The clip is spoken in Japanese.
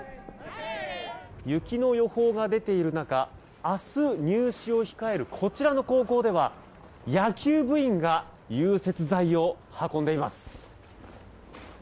雪の予報が出ている中明日、入試を控えるこちらの高校では野球部員が融雪剤を運んでいます。